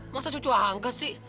masa cucu angka sih